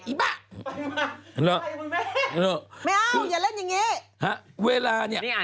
อีกท่าไม่เก่า